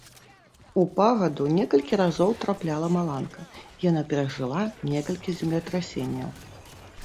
У пагаду некалькі разоў трапляла маланка, яна перажыла некалькі землетрасенняў.